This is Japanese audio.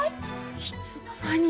いつの間に。